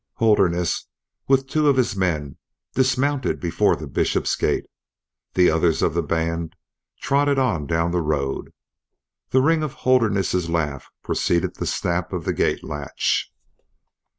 Holderness, with two of his men, dismounted before the Bishop's gate; the others of the band trotted on down the road. The ring of Holderness's laugh preceded the snap of the gate latch.